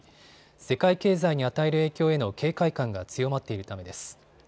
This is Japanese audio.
世界経済に与える影響への警戒感が強まっているためです。